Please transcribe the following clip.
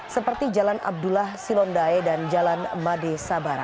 seperti jalan abdullah silondae dan jalan made sabara